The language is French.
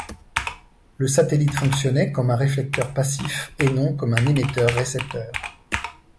Le satellite fonctionnait comme un réflecteur passif et non comme un émetteur-récepteur.